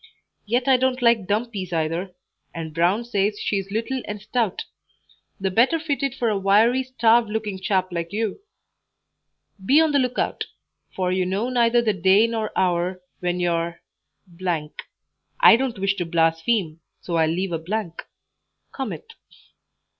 Yet I don't like dumpies either, and Brown says she is little and stout the better fitted for a wiry, starved looking chap like you. "Be on the look out, for you know neither the day nor hour when your " (I don't wish to blaspheme, so I'll leave a blank) cometh.